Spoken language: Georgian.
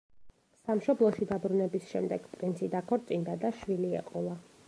სამშობლოში დაბრუნების შემდეგ, პრინცი დაქორწინდა და შვილი ეყოლა.